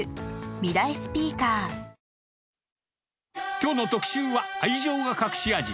きょうの特集は、愛情が隠し味。